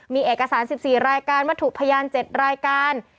มีเอกสารสิบสี่รายการมัตถุพยานเจ็ดรายการ